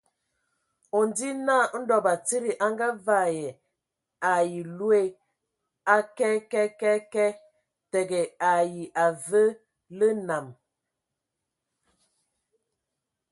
O ndzi naa ndɔ batsidi a ngavaɛ ai loe a kɛɛ kɛé kɛɛ, tǝgǝ ai avǝǝ lǝ nam.